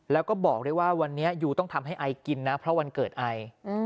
แล้วก็บอกด้วยว่าวันนี้ยูต้องทำให้ไอกินนะเพราะวันเกิดไอ